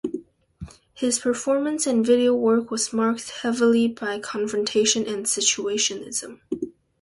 His performance and video work was marked heavily by confrontation and Situationism.